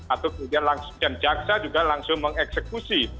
atau kemudian langsung dan jaksa juga langsung mengeksekusi